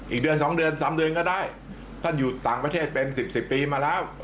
อีกเดือน๒เดือน๓เดือนก็ได้ท่านอยู่ต่างประเทศเป็น๑๐๑๐ปีมาแล้ว